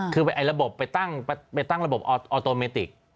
คือระบบไปตั้งระบบออโตเมติก